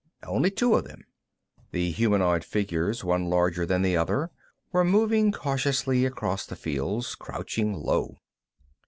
Only two of them." The humanoid figures, one larger than the other, were moving cautiously across the fields, crouching low.